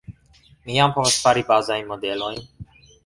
mi jam povas fari bazajn modelojn